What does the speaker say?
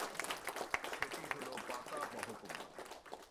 সেটি হল বাঁকা মহকুমা।